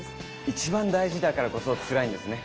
一番大事だからこそつらいんですね。